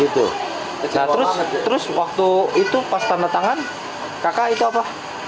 nah terus waktu itu pas tanda tangan kakak itu apa